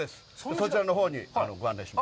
そちらのほうにご案内します。